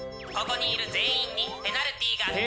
ここにいる全員にペナルティが。